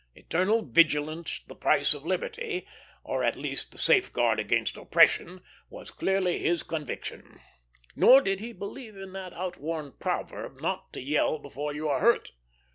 Eternal vigilance the price of liberty, or at least the safeguard against oppression, was clearly his conviction; nor did he believe in that outworn proverb not to yell before you are hurt.